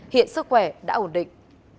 hiện sức khỏe đã ổn định